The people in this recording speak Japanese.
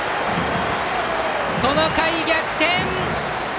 この回、逆転！